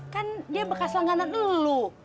kan dia bekas langganan lu